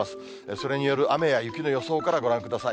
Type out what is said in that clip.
それによる雨や雪の予想からご覧ください。